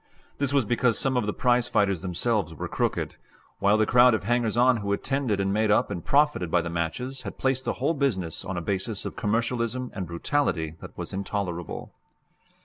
This was because some of the prize fighters themselves were crooked, while the crowd of hangers on who attended and made up and profited by the matches had placed the whole business on a basis of commercialism and brutality that was intolerable.